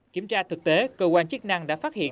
kiểm tra thực tế cơ quan chức năng đã phát hiện